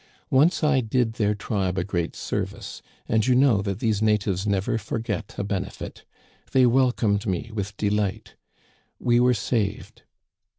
Once I did their tribe a great service ; and you know that these natives never forget a benefit. They welcomed me with delight. We were saved.